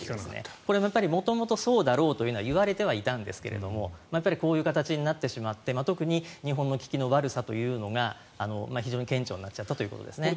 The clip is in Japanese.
これも元々、そうだろうとはいわれていたんですがこういう形になってしまって特に日本の効きの悪さというのが非常に顕著になっちゃったということですね。